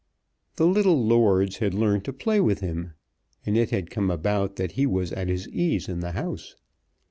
The little lords had learned to play with him, and it had come about that he was at his ease in the house.